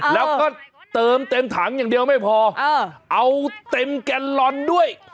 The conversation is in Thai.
แล้วก็เติมเต็มถังอย่างเดียวไม่พอเอาเต็มแกนลอนด้วย